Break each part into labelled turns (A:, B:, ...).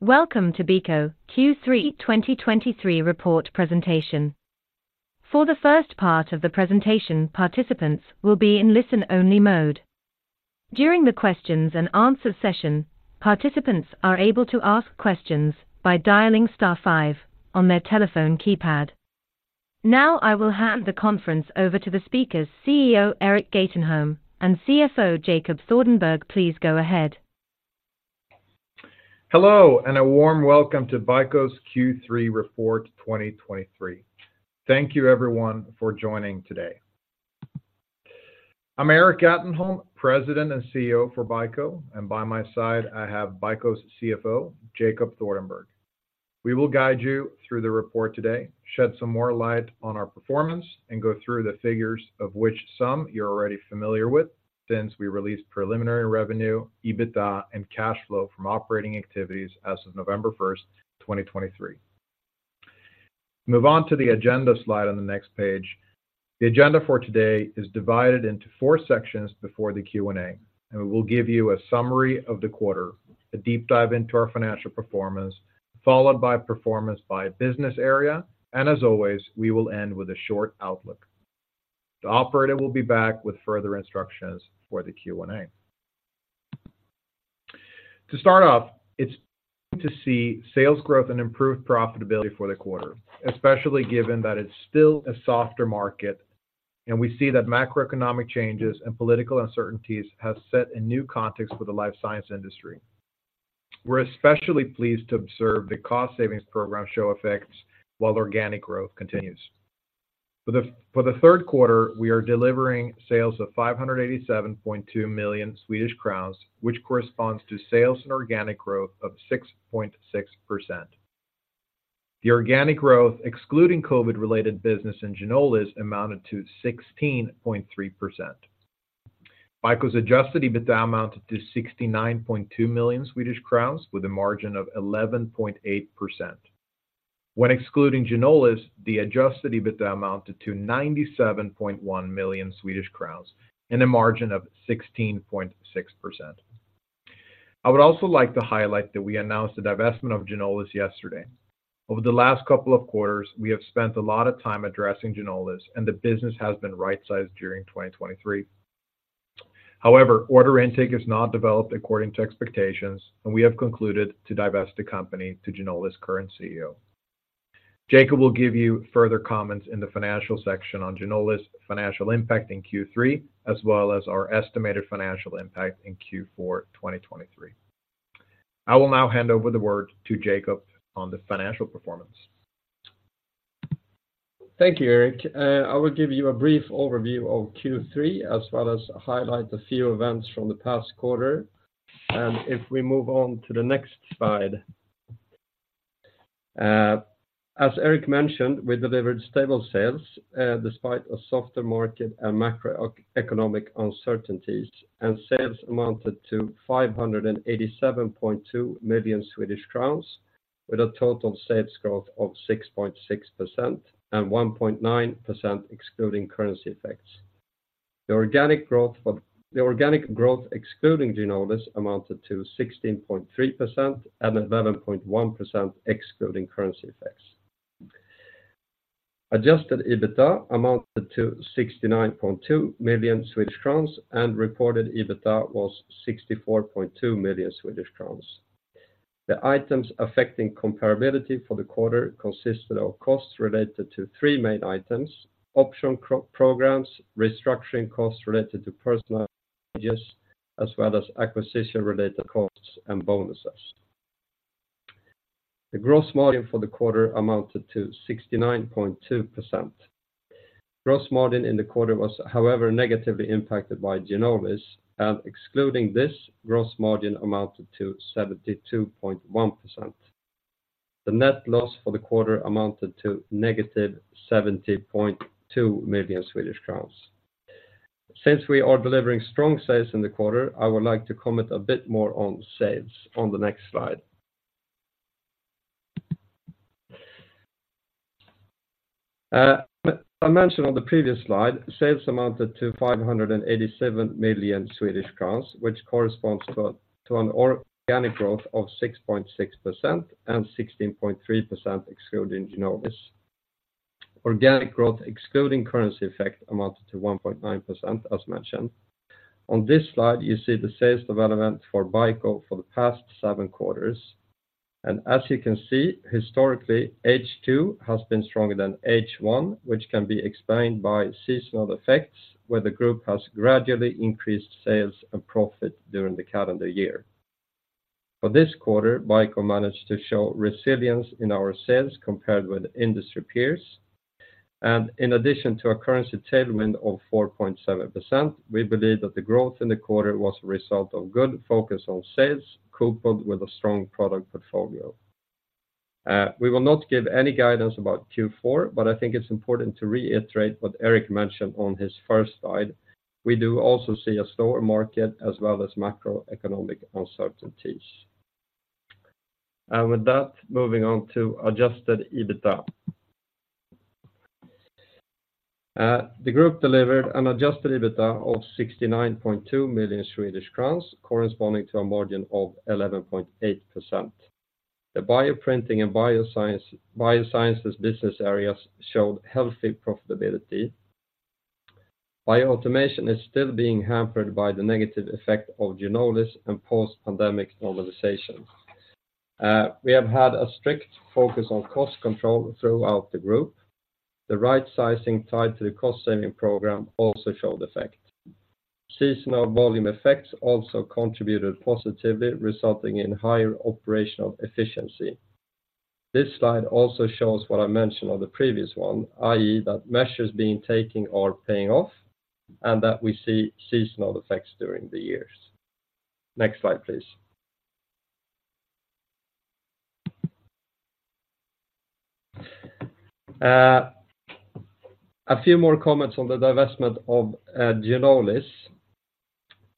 A: Welcome to BICO Q3 2023 report presentation. For the first part of the presentation, participants will be in listen-only mode. During the questions and answer session, participants are able to ask questions by dialing star five on their telephone keypad. Now, I will hand the conference over to the speakers, CEO Erik Gatenholm and CFO Jacob Thordenberg. Please go ahead.
B: Hello, and a warm welcome to BICO's Q3 Report 2023. Thank you, everyone, for joining today. I'm Erik Gatenholm, President and CEO for BICO, and by my side, I have BICO's CFO, Jacob Thordenberg. We will guide you through the report today, shed some more light on our performance, and go through the figures, of which some you're already familiar with since we released preliminary revenue, EBITDA, and cash flow from operating activities as of November 1, 2023. Move on to the agenda slide on the next page. The agenda for today is divided into 4 sections before the Q&A, and we will give you a summary of the quarter, a deep dive into our financial performance, followed by performance by business area, and as always, we will end with a short outlook. The operator will be back with further instructions for the Q&A. To start off, it's good to see sales growth and improved profitability for the quarter, especially given that it's still a softer market, and we see that macroeconomic changes and political uncertainties have set a new context for the life science industry. We're especially pleased to observe the cost savings program show effects while organic growth continues. For the third quarter, we are delivering sales of 587.2 million Swedish crowns, which corresponds to sales and organic growth of 6.6%. The organic growth, excluding COVID-related business in Ginolis, amounted to 16.3%. BICO's adjusted EBITDA amounted to 69.2 million Swedish crowns, with a margin of 11.8%. When excluding Ginolis, the adjusted EBITDA amounted to 97.1 million Swedish crowns, and a margin of 16.6%. I would also like to highlight that we announced the divestment of Ginolis yesterday. Over the last couple of quarters, we have spent a lot of time addressing Ginolis, and the business has been right-sized during 2023. However, order intake has not developed according to expectations, and we have concluded to divest the company to Ginolis' current CEO. Jacob will give you further comments in the financial section on Ginolis' financial impact in Q3, as well as our estimated financial impact in Q4 2023. I will now hand over the word to Jacob on the financial performance.
C: Thank you, Erik. I will give you a brief overview of Q3, as well as highlight a few events from the past quarter. If we move on to the next slide. As Erik mentioned, we delivered stable sales, despite a softer market and macroeconomic uncertainties, and sales amounted to 587.2 million Swedish crowns, with a total sales growth of 6.6% and 1.9% excluding currency effects. The organic growth, excluding Ginolis, amounted to 16.3% and 11.1% excluding currency effects. Adjusted EBITDA amounted to 69.2 million Swedish crowns, and reported EBITDA was 64.2 million Swedish crowns. The items affecting comparability for the quarter consisted of costs related to three main items: option programs, restructuring costs related to personnel changes, as well as acquisition-related costs and bonuses. The gross margin for the quarter amounted to 69.2%. Gross margin in the quarter was, however, negatively impacted by Ginolis, and excluding this, gross margin amounted to 72.1%. The net loss for the quarter amounted to -70.2 million Swedish crowns. Since we are delivering strong sales in the quarter, I would like to comment a bit more on sales on the next slide. I mentioned on the previous slide, sales amounted to 587 million Swedish crowns, which corresponds to an organic growth of 6.6% and 16.3% excluding Ginolis. Organic growth, excluding currency effect, amounted to 1.9%, as mentioned. On this slide, you see the sales development for BICO for the past 7 quarters, and as you can see, historically, H2 has been stronger than H1, which can be explained by seasonal effects, where the group has gradually increased sales and profit during the calendar year. For this quarter, BICO managed to show resilience in our sales compared with industry peers, and in addition to a currency tailwind of 4.7%, we believe that the growth in the quarter was a result of good focus on sales, coupled with a strong product portfolio. We will not give any guidance about Q4, but I think it's important to reiterate what Erik mentioned on his first slide. We do also see a slower market as well as macroeconomic uncertainties. With that, moving on to adjusted EBITDA. The group delivered an adjusted EBITDA of 69.2 million Swedish crowns, corresponding to a margin of 11.8%. The Bioprinting and Biosciences business areas showed healthy profitability. Bioautomation is still being hampered by the negative effect of Ginolis and post-pandemic normalization. We have had a strict focus on cost control throughout the group. The right sizing tied to the cost-saving program also showed effect. Seasonal volume effects also contributed positively, resulting in higher operational efficiency. This slide also shows what I mentioned on the previous one, i.e., that measures being taken are paying off and that we see seasonal effects during the years. Next slide, please. A few more comments on the divestment of Ginolis.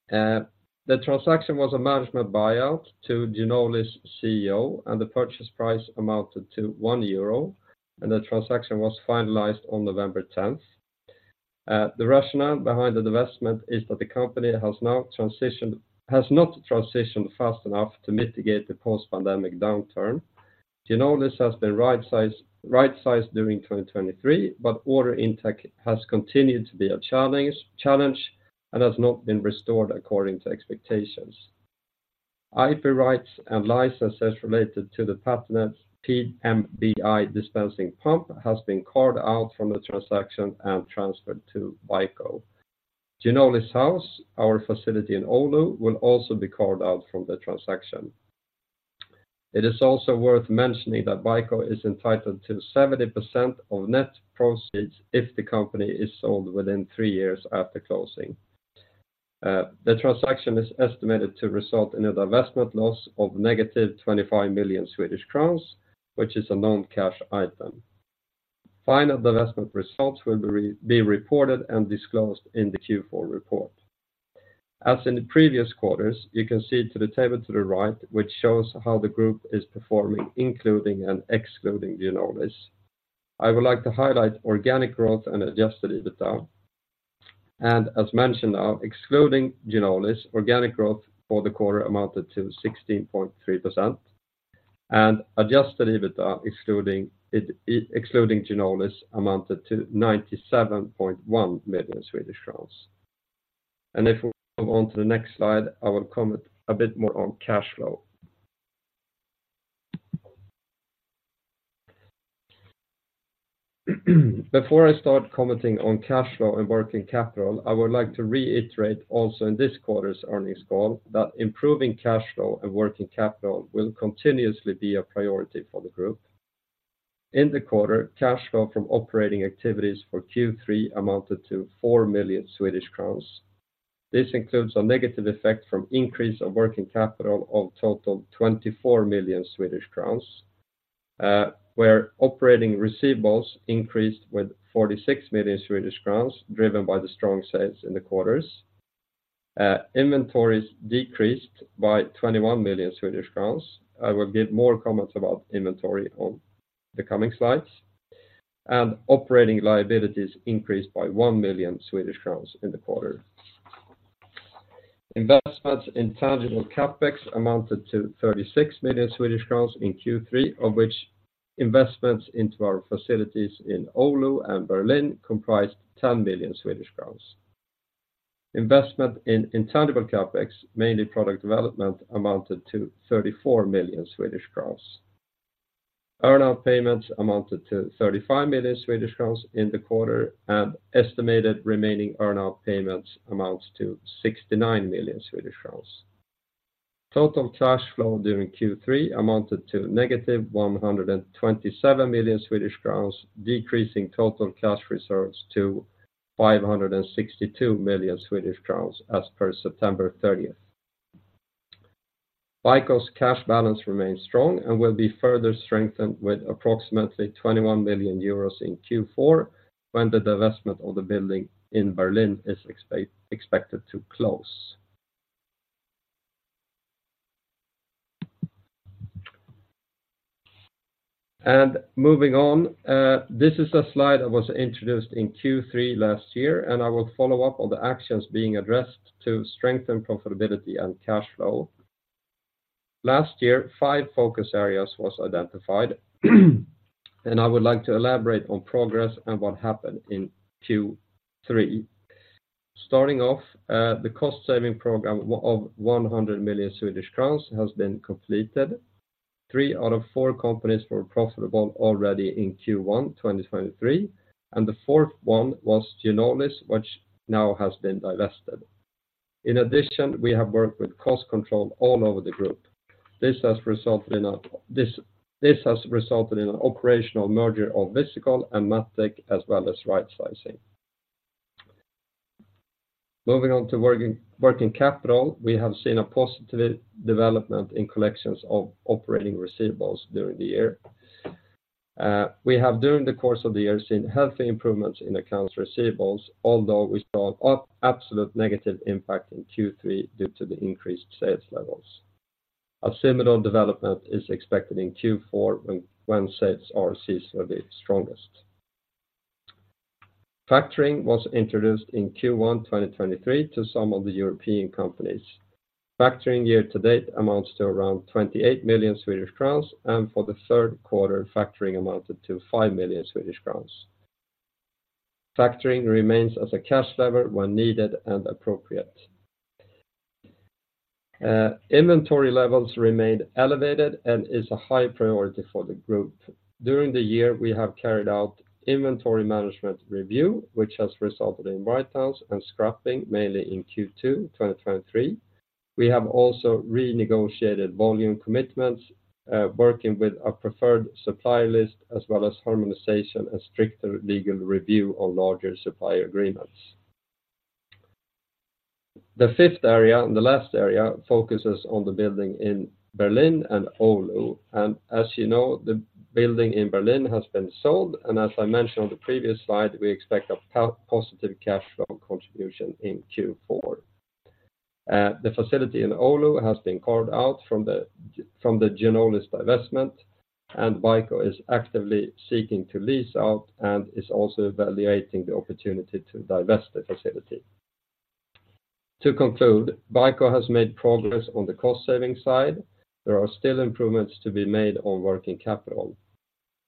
C: The transaction was a management buyout to Ginolis CEO, and the purchase price amounted to 1 euro, and the transaction was finalized on November tenth. The rationale behind the divestment is that the company has now transitioned, has not transitioned fast enough to mitigate the post-pandemic downturn. Ginolis has been right-sized during 2023, but order intake has continued to be a challenge, and has not been restored according to expectations. IP rights and licenses related to the patented PMBi dispensing pump has been carved out from the transaction and transferred to BICO. Ginolis House, our facility in Oulu, will also be carved out from the transaction. It is also worth mentioning that BICO is entitled to 70% of net proceeds if the company is sold within three years after closing. The transaction is estimated to result in a divestment loss of negative 25 million Swedish crowns, which is a non-cash item. Final divestment results will be reported and disclosed in the Q4 report. As in the previous quarters, you can see the table to the right, which shows how the group is performing, including and excluding Ginolis. I would like to highlight organic growth and adjusted EBITDA. As mentioned now, excluding Ginolis, organic growth for the quarter amounted to 16.3%, and adjusted EBITDA, excluding it, excluding Ginolis, amounted to 97.1 million Swedish crowns. If we move on to the next slide, I will comment a bit more on cash flow. Before I start commenting on cash flow and working capital, I would like to reiterate also in this quarter's earnings call, that improving cash flow and working capital will continuously be a priority for the group. In the quarter, cash flow from operating activities for Q3 amounted to 4 million Swedish crowns. This includes a negative effect from increase of working capital of total 24 million Swedish crowns, where operating receivables increased with 46 million Swedish crowns, driven by the strong sales in the quarters. Inventories decreased by 21 million Swedish crowns. I will give more comments about inventory on the coming slides. Operating liabilities increased by 1 million Swedish crowns in the quarter. Investments in tangible CapEx amounted to 36 million Swedish crowns in Q3, of which investments into our facilities in Oulu and Berlin comprised 10 million Swedish crowns. Investment in intangible CapEx, mainly product development, amounted to 34 million Swedish crowns. Earnout payments amounted to 35 million Swedish crowns in the quarter, and estimated remaining earnout payments amounts to 69 million Swedish crowns. Total cash flow during Q3 amounted to -127 million Swedish crowns, decreasing total cash reserves to 562 million Swedish crowns as per September 30. BICO's cash balance remains strong and will be further strengthened with approximately 21 million euros in Q4, when the divestment of the building in Berlin is expected to close. Moving on, this is a slide that was introduced in Q3 last year, and I will follow up on the actions being addressed to strengthen profitability and cash flow. Last year, five focus areas was identified, and I would like to elaborate on progress and what happened in Q3. Starting off, the cost-saving program of 100 million Swedish crowns has been completed. Three out of four companies were profitable already in Q1 2023, and the fourth one was Ginolis, which now has been divested. In addition, we have worked with cost control all over the group. This has resulted in an operational merger of Visikol and MatTek, as well as rightsizing. Moving on to working capital, we have seen a positive development in collections of operating receivables during the year. We have, during the course of the year, seen healthy improvements in accounts receivables, although we saw an absolute negative impact in Q3 due to the increased sales levels. A similar development is expected in Q4, when sales ARs are the strongest. Factoring was introduced in Q1 2023 to some of the European companies. Factoring year to date amounts to around 28 million Swedish crowns, and for the third quarter, factoring amounted to 5 million Swedish crowns. Factoring remains as a cash lever when needed and appropriate. Inventory levels remained elevated and is a high priority for the group. During the year, we have carried out inventory management review, which has resulted in write-downs and scrapping, mainly in Q2, 2023. We have also renegotiated volume commitments, working with our preferred supplier list, as well as harmonization and stricter legal review on larger supplier agreements. The fifth area, and the last area, focuses on the building in Berlin and Oulu, and as you know, the building in Berlin has been sold, and as I mentioned on the previous slide, we expect a positive cash flow contribution in Q4. The facility in Oulu has been carved out from the Ginolis divestment, and BICO is actively seeking to lease out and is also evaluating the opportunity to divest the facility. To conclude, BICO has made progress on the cost-saving side. There are still improvements to be made on working capital,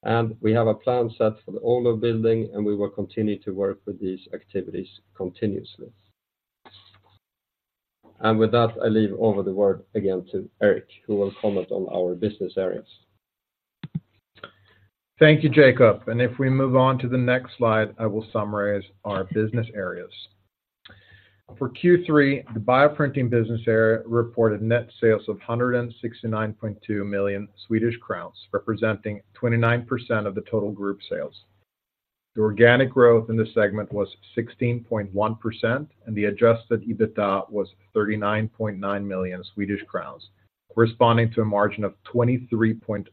C: and we have a plan set for the Oulu building, and we will continue to work with these activities continuously. And with that, I leave over the word again to Erik, who will comment on our business areas.
B: Thank you, Jacob, and if we move on to the next slide, I will summarize our business areas. For Q3, the Bioprinting business area reported net sales of 169.2 million Swedish crowns, representing 29% of the total group sales. The organic growth in this segment was 16.1%, and the adjusted EBITDA was 39.9 million Swedish crowns, corresponding to a margin of 23.6%.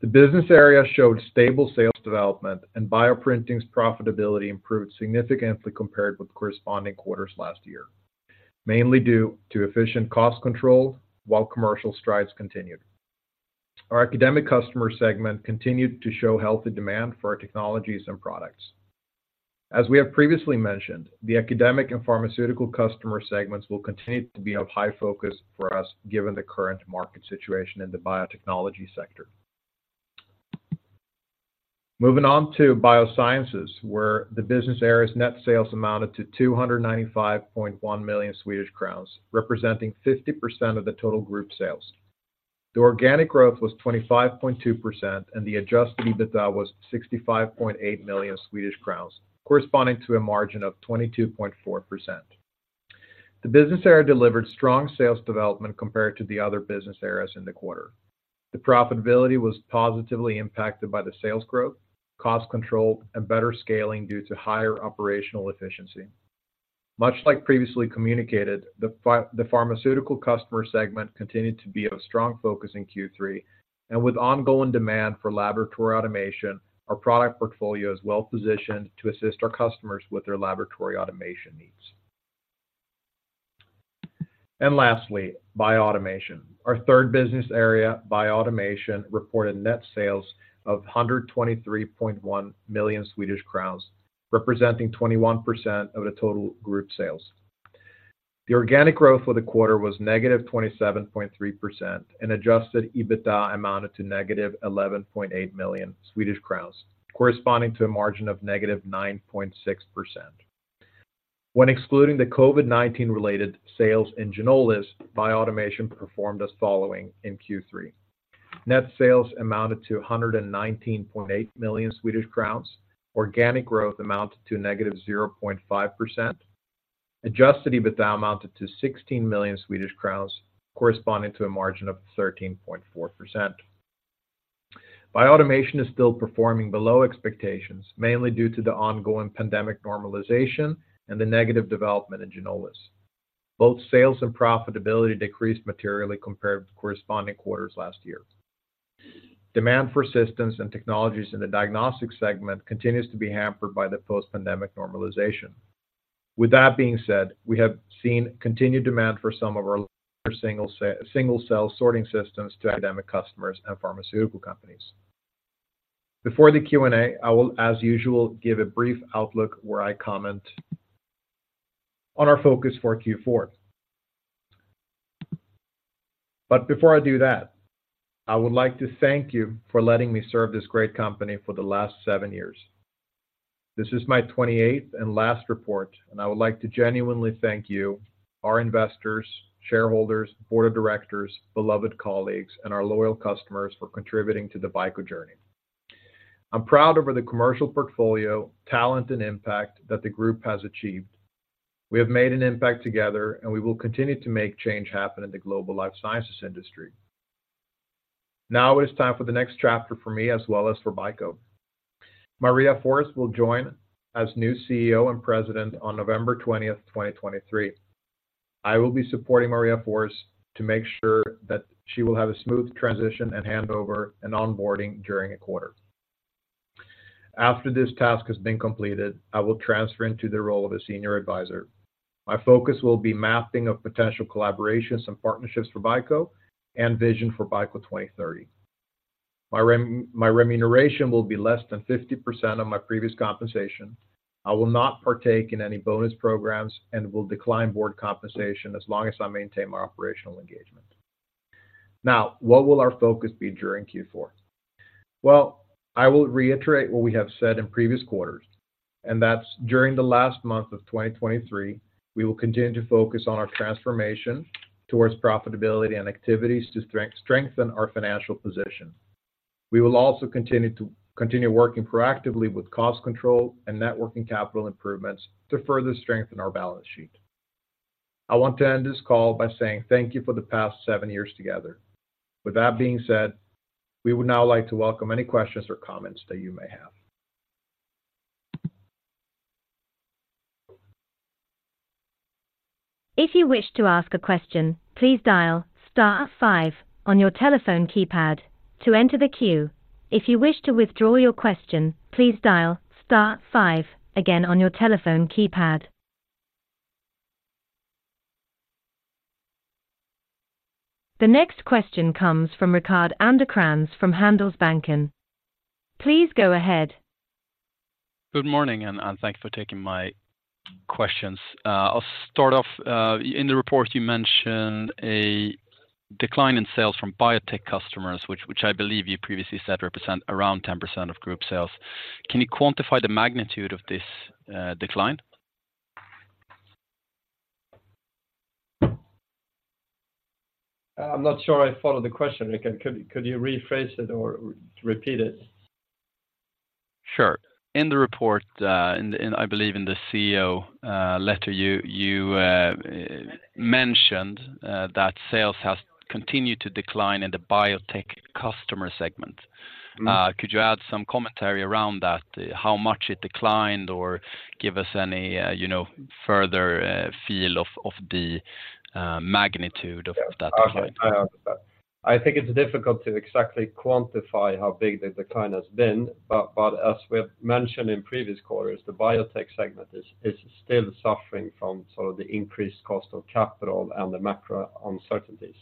B: The business area showed stable sales development, and Bioprinting's profitability improved significantly compared with corresponding quarters last year, mainly due to efficient cost control while commercial strides continued. Our academic customer segment continued to show healthy demand for our technologies and products. As we have previously mentioned, the academic and pharmaceutical customer segments will continue to be of high focus for us, given the current market situation in the biotechnology sector. Moving on to Biosciences, where the business area's net sales amounted to 295.1 million Swedish crowns, representing 50% of the total group sales. The organic growth was 25.2%, and the adjusted EBITDA was 65.8 million Swedish crowns, corresponding to a margin of 22.4%. The business area delivered strong sales development compared to the other business areas in the quarter. The profitability was positively impacted by the sales growth, cost control, and better scaling due to higher operational efficiency. Much like previously communicated, the pharmaceutical customer segment continued to be of strong focus in Q3, and with ongoing demand for laboratory automation, our product portfolio is well positioned to assist our customers with their laboratory automation needs. And lastly, Bioautomation. Our third business area, Bioautomation, reported net sales of 123.1 million Swedish crowns, representing 21% of the total group sales. The organic growth for the quarter was -27.3%, and adjusted EBITDA amounted to -11.8 million Swedish crowns, corresponding to a margin of -9.6%. When excluding the COVID-19 related sales in Ginolis, Bioautomation performed as following in Q3: Net sales amounted to 119.8 million Swedish crowns. Organic growth amounted to -0.5%. Adjusted EBITDA amounted to 16 million Swedish crowns, corresponding to a margin of 13.4%. Bioautomation is still performing below expectations, mainly due to the ongoing pandemic normalization and the negative development in Ginolis. Both sales and profitability decreased materially compared to corresponding quarters last year. Demand for systems and technologies in the diagnostic segment continues to be hampered by the post-pandemic normalization. With that being said, we have seen continued demand for some of our single cell sorting systems to academic customers and pharmaceutical companies. Before the Q&A, I will, as usual, give a brief outlook where I comment on our focus for Q4. But before I do that, I would like to thank you for letting me serve this great company for the last seven years. This is my twenty-eighth and last report, and I would like to genuinely thank you, our investors, shareholders, board of directors, beloved colleagues, and our loyal customers for contributing to the BICO journey. I'm proud over the commercial portfolio, talent, and impact that the group has achieved. We have made an impact together, and we will continue to make change happen in the global life sciences industry. Now it is time for the next chapter for me as well as for BICO. Maria Forss will join as new CEO and President on November 20, 2023. I will be supporting Maria Forss to make sure that she will have a smooth transition and handover and onboarding during the quarter.... After this task has been completed, I will transfer into the role of a senior advisor. My focus will be mapping of potential collaborations and partnerships for BICO and vision for BICO 2030. My remuneration will be less than 50% of my previous compensation. I will not partake in any bonus programs and will decline board compensation as long as I maintain my operational engagement. Now, what will our focus be during Q4? Well, I will reiterate what we have said in previous quarters, and that's during the last month of 2023, we will continue to focus on our transformation towards profitability and activities to strengthen our financial position. We will also continue working proactively with cost control and net working capital improvements to further strengthen our balance sheet. I want to end this call by saying thank you for the past seven years together. With that being said, we would now like to welcome any questions or comments that you may have.
A: If you wish to ask a question, please dial star five on your telephone keypad to enter the queue. If you wish to withdraw your question, please dial star five again on your telephone keypad. The next question comes from Rickard Anderkrans from Handelsbanken. Please go ahead.
D: Good morning, and thank you for taking my questions. I'll start off in the report, you mentioned a decline in sales from biotech customers, which I believe you previously said represent around 10% of group sales. Can you quantify the magnitude of this decline?
C: I'm not sure I follow the question, Rickard. Could you rephrase it or repeat it?
D: Sure. In the report, I believe in the CEO letter, you mentioned that sales has continued to decline in the biotech customer segment. Could you add some commentary around that? How much it declined, or give us any, you know, further feel of the magnitude of that decline?
C: I think it's difficult to exactly quantify how big the decline has been, but as we have mentioned in previous quarters, the biotech segment is still suffering from sort of the increased cost of capital and the macro uncertainties.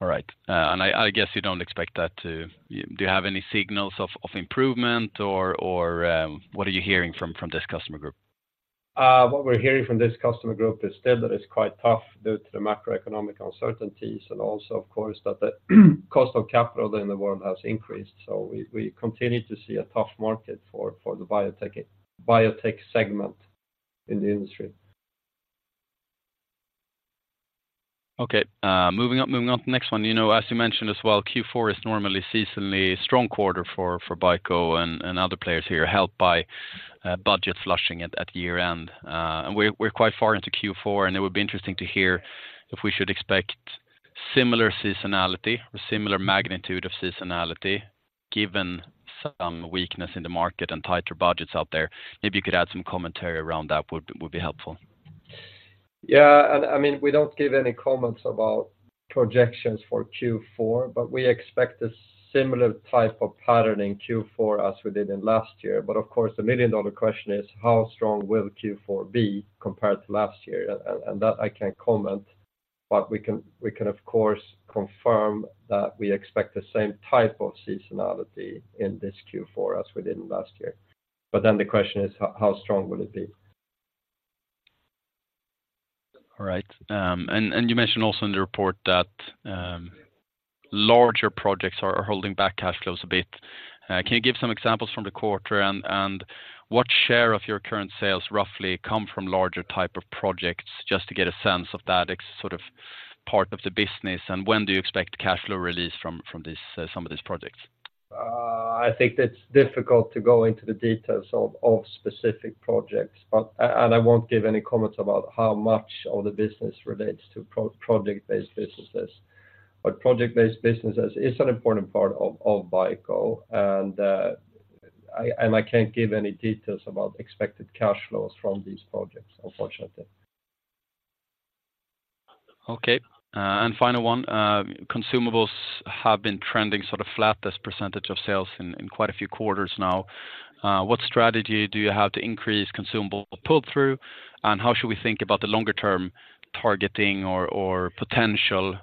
D: All right. And I guess you don't expect that to... Do you have any signals of improvement or what are you hearing from this customer group?
C: What we're hearing from this customer group is still that it's quite tough due to the macroeconomic uncertainties, and also, of course, that the cost of capital in the world has increased. So we continue to see a tough market for the biotech segment in the industry.
D: Okay, moving on, moving on to the next one. You know, as you mentioned as well, Q4 is normally seasonally a strong quarter for, for BICO and, and other players here, helped by, budget flushing at, at year-end. And we're, we're quite far into Q4, and it would be interesting to hear if we should expect similar seasonality or similar magnitude of seasonality, given some weakness in the market and tighter budgets out there. Maybe you could add some commentary around that would, would be helpful.
C: Yeah, and I mean, we don't give any comments about projections for Q4, but we expect a similar type of pattern in Q4 as we did in last year. But of course, the million-dollar question is, how strong will Q4 be compared to last year? And that I can't comment, but we can, we can of course confirm that we expect the same type of seasonality in this Q4 as we did in last year. But then the question is: how strong will it be?
D: All right. You mentioned also in the report that larger projects are holding back cash flows a bit. Can you give some examples from the quarter, and what share of your current sales roughly come from larger type of projects, just to get a sense of that sort of part of the business, and when do you expect cash flow release from this some of these projects?
C: I think it's difficult to go into the details of specific projects, but... and I won't give any comments about how much of the business relates to project-based businesses. But project-based businesses is an important part of BICO, and I can't give any details about expected cash flows from these projects, unfortunately.
D: Okay, and final one. Consumables have been trending sort of flat as percentage of sales in quite a few quarters now. What strategy do you have to increase consumable pull-through, and how should we think about the longer-term targeting or potential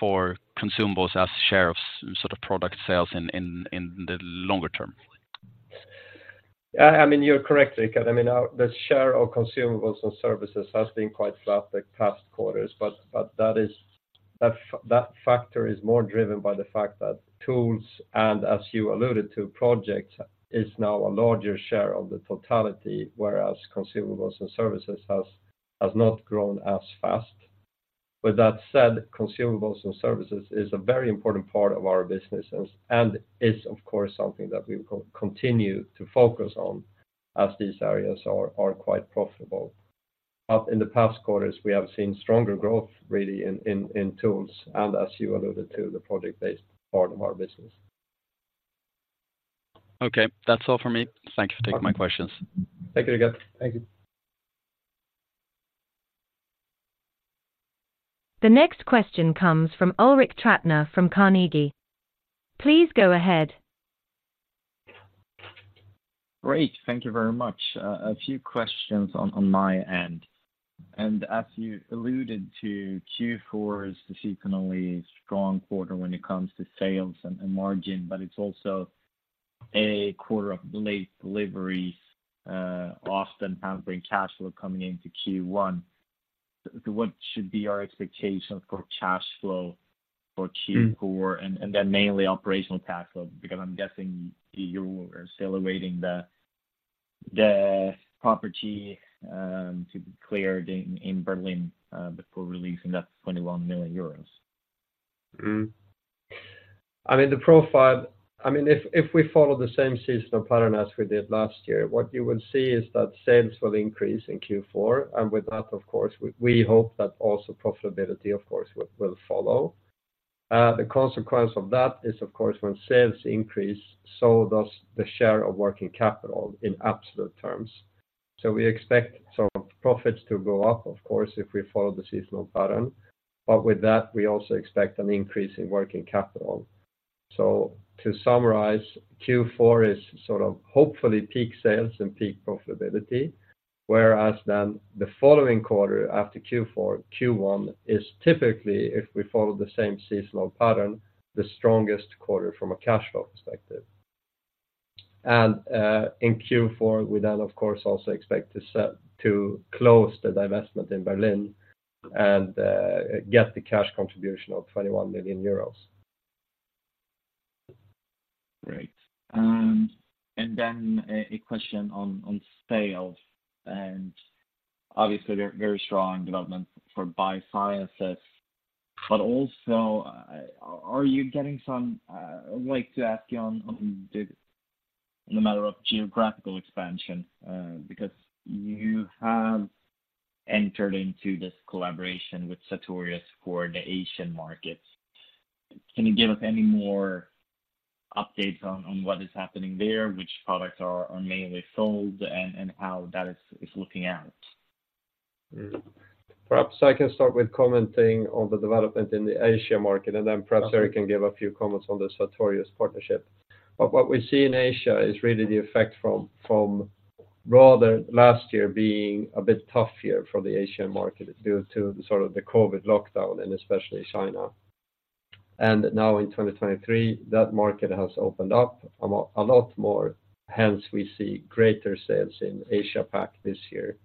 D: for consumables as share of sort of product sales in the longer term?
C: Yeah, I mean, you're correct, Rickard. I mean, the share of consumables and services has been quite flat the past quarters, but that is, that factor is more driven by the fact that tools, and as you alluded to, projects, is now a larger share of the totality, whereas consumables and services has not grown as fast. With that said, consumables and services is a very important part of our businesses, and is, of course, something that we will continue to focus on as these areas are quite profitable. But in the past quarters, we have seen stronger growth really in tools, and as you alluded to, the project-based part of our business.
D: Okay. That's all for me. Thank you for taking my questions.
C: Thank you, Rickard. Thank you.
A: The next question comes from Ulrik Trattner from Carnegie. Please go ahead.
E: Great. Thank you very much. A few questions on, on my end, and as you alluded to, Q4 is seasonally strong quarter when it comes to sales and, and margin, but it's also a quarter of late deliveries, often hampering cash flow coming into Q1. What should be our expectations for cash flow for Q4? And, and then mainly operational cash flow, because I'm guessing you are still awaiting the, the property, to be cleared in, in Berlin, before releasing that 21 million euros.
C: Mm-hmm. I mean, the profile—I mean, if, if we follow the same seasonal pattern as we did last year, what you would see is that sales will increase in Q4, and with that, of course, we, we hope that also profitability, of course, will, will follow. The consequence of that is, of course, when sales increase, so does the share of working capital in absolute terms. So we expect sort of profits to go up, of course, if we follow the seasonal pattern, but with that, we also expect an increase in working capital. So to summarize, Q4 is sort of hopefully peak sales and peak profitability, whereas then the following quarter after Q4, Q1, is typically, if we follow the same seasonal pattern, the strongest quarter from a cash flow perspective. In Q4, we then, of course, also expect to close the divestment in Berlin and get the cash contribution of 21 million euros.
E: Great. And then a question on sales, and obviously, they're very strong development for Biosciences, but also, I'd like to ask you on the matter of geographical expansion, because you have entered into this collaboration with Sartorius for the Asian markets. Can you give us any more updates on what is happening there, which products are mainly sold, and how that is looking at?
C: Perhaps I can start with commenting on the development in the Asia market, and then perhaps Erik can give a few comments on the Sartorius partnership. But what we see in Asia is really the effect from rather last year being a bit tough year for the Asian market due to the sort of the COVID lockdown, and especially China. And now in 2023, that market has opened up a lot, a lot more, hence we see greater sales in APAC this year.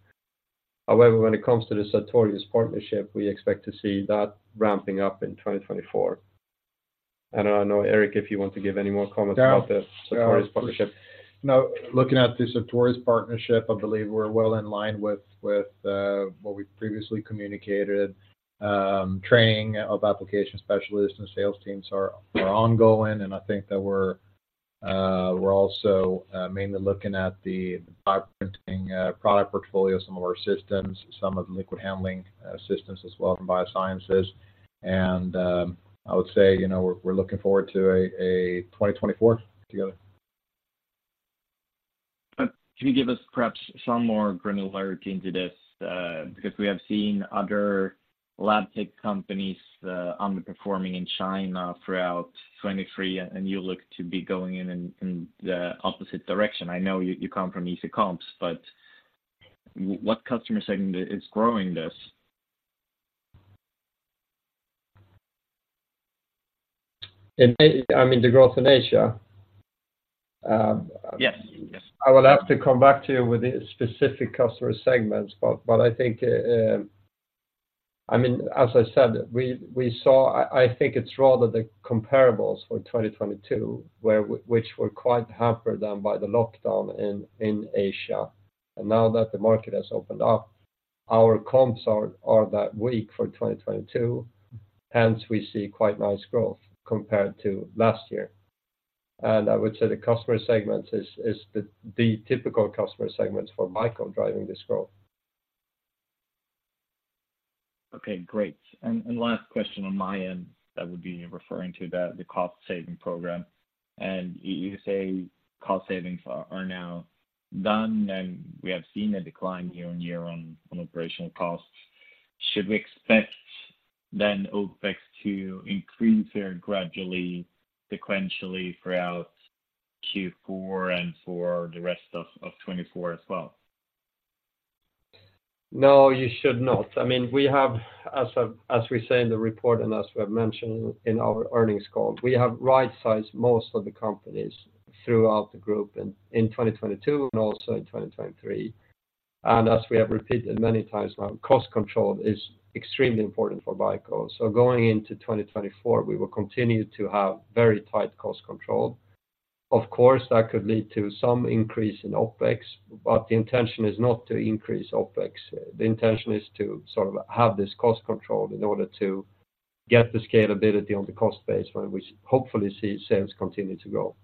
C: However, when it comes to the Sartorius partnership, we expect to see that ramping up in 2024. I don't know, Erik, if you want to give any more comments about the Sartorius partnership.
B: No, looking at the Sartorius partnership, I believe we're well in line with what we previously communicated. Training of application specialists and sales teams are ongoing, and I think that we're also mainly looking at the Bioprinting product portfolio, some of our systems, some of the liquid handling systems as well, from Biosciences. And I would say, you know, we're looking forward to a 2024 together.
E: But can you give us perhaps some more granularity into this? Because we have seen other lab tech companies underperforming in China throughout 2023, and you look to be going in the opposite direction. I know you come from easy comps, but what customer segment is growing this?
C: I mean, the growth in Asia?
E: Yes. Yes.
C: I will have to come back to you with the specific customer segments, but I think, I mean, as I said, we saw... I think it's rather the comparables for 2022, which were quite hampered by the lockdown in Asia. And now that the market has opened up, our comps are that weak for 2022, hence we see quite nice growth compared to last year. And I would say the customer segments is the typical customer segments for BICO driving this growth.
E: Okay, great. And last question on my end, that would be referring to the cost saving program. And you say cost savings are now done, and we have seen a decline year-on-year on operational costs. Should we expect then OpEx to increase very gradually, sequentially throughout Q4 and for the rest of 2024 as well?
C: No, you should not. I mean, we have, as I, as we say in the report and as we have mentioned in our earnings call, we have right-sized most of the companies throughout the group in, in 2022 and also in 2023. And as we have repeated many times, now, cost control is extremely important for BICO. So going into 2024, we will continue to have very tight cost control. Of course, that could lead to some increase in OpEx, but the intention is not to increase OpEx. The intention is to sort of have this cost control in order to get the scalability on the cost base, right, which hopefully see sales continue to grow.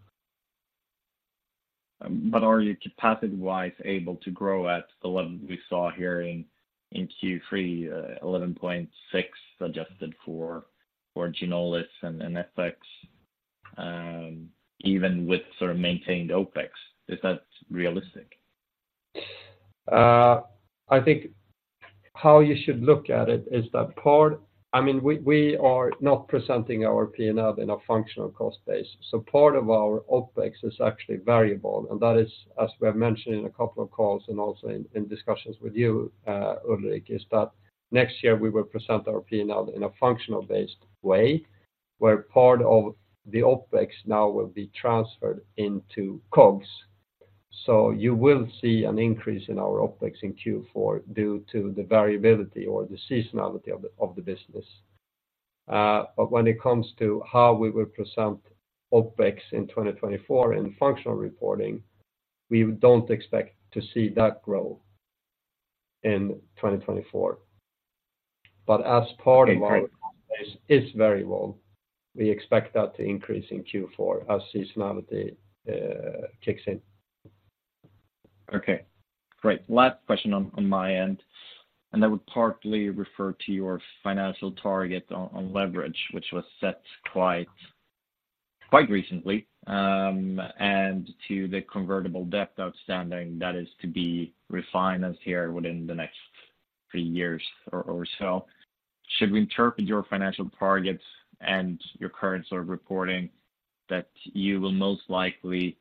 E: But are you capacity-wise able to grow at the level we saw here in Q3, 11.6, adjusted for Ginolis and FX? Even with sort of maintained OpEx, is that realistic?
C: I think how you should look at it is that part—I mean, we are not presenting our P&L in a functional cost base. So part of our OpEx is actually variable, and that is, as we have mentioned in a couple of calls and also in discussions with you, Ulrich, that next year we will present our P&L in a functional-based way, where part of the OpEx now will be transferred into COGS. So you will see an increase in our OpEx in Q4 due to the variability or the seasonality of the business. But when it comes to how we will present OpEx in 2024 in functional reporting, we don't expect to see that grow in 2024. But as part of our base is variable, we expect that to increase in Q4 as seasonality kicks in.
E: Okay, great. Last question on my end, and I would partly refer to your financial target on leverage, which was set quite recently, and to the convertible debt outstanding that is to be refinanced here within the next three years or so. Should we interpret your financial targets and your current sort of reporting that you will most likely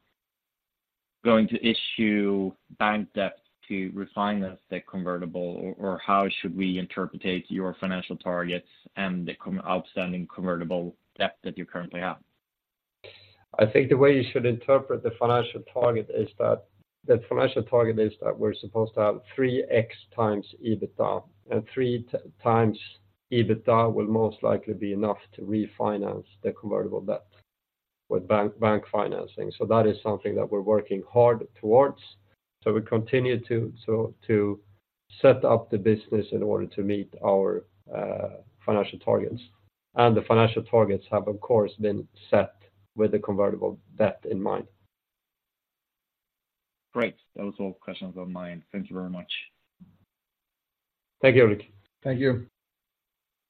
E: going to issue bank debt to refinance the convertible, or how should we interpret your financial targets and the current outstanding convertible debt that you currently have?
C: I think the way you should interpret the financial target is that the financial target is that we're supposed to have 3x EBITDA, and 3x EBITDA will most likely be enough to refinance the convertible debt with bank, bank financing. So that is something that we're working hard towards. So we continue to set up the business in order to meet our financial targets. And the financial targets have, of course, been set with the convertible debt in mind.
E: Great. That was all questions on my end. Thank you very much.
C: Thank you, Ulrich. Thank you.